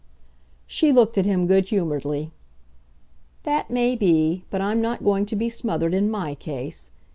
She looked at him good humouredly. "That may be but I'm not going to be smothered in MY case.